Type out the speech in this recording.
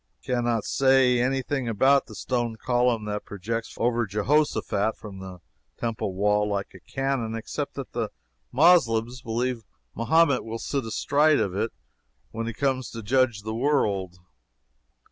I can not say any thing about the stone column that projects over Jehoshaphat from the Temple wall like a cannon, except that the Moslems believe Mahomet will sit astride of it when he comes to judge the world.